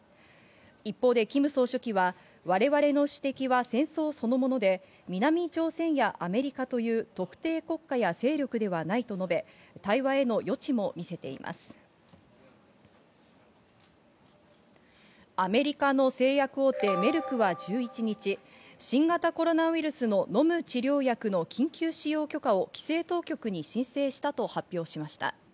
一方でキム総書記は我々の指摘は戦争そのもので、南朝鮮やアメリカという特定国家や勢力ではないと述べ、アメリカの製薬大手メルクは１１日、新型コロナウイルスの飲む治療薬の緊急使用許可を規制当局に申請したと発表しました。